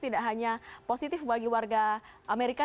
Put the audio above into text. tidak hanya positif bagi warga amerika